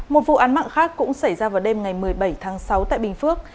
một vụ án mạng khác cũng xảy ra vào đêm ngày một mươi bảy tháng sáu tại bình phước